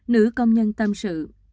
nữ công nhân tâm sự